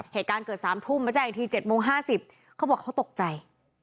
เหตุการณ์เกิด๓ทุ่มมาแจ้งอีกที๗โมง๕๐เขาบอกเขาตกใจ